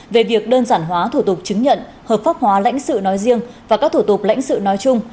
về việc đơn giản hóa thủ tục chứng nhận hợp pháp hóa lãnh sự nói riêng và các thủ tục lãnh sự nói chung